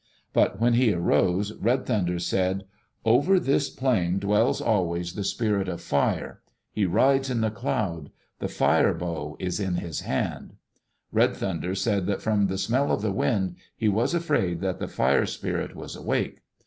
But when he arose Red Thunder said, "Over this plain dwells always the Spirit of Fire. He rides in the cloud. The Fire bow is in his hand.'* Red Thunder said that from the "smell of the wind" he was afraid that the Fire Spirit was awake.